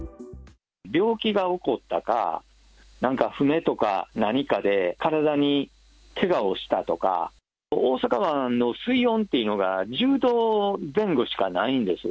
病気が起こったか、なんか船とか、何かで、体にけがをしたとか、大阪湾の水温っていうのが、１０度前後しかないんですよ。